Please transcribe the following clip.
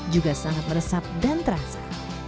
juga sangat meresap dan terasa